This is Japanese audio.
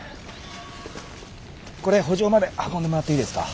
これ圃場まで運んでもらっていいですか。